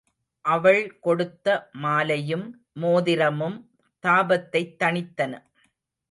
அவள் கொடுத்த மாலையும் மோதிரமும் தாபத்தைத் தணித்தன.